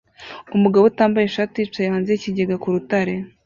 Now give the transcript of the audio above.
Umugabo utambaye ishati yicaye hanze yikigega ku rutare